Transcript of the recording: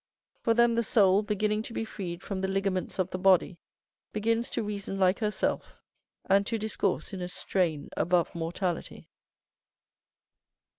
For then the soul beginning to be freed from the ligaments of the body, begins to reason like herself, and to discourse in a strain above mortality.